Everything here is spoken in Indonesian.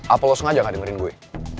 apa lo sengaja gak dengerin gue